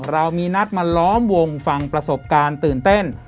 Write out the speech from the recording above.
เรามีนัดมาล้อมวงฟังประสบการณ์ตื่นเต้น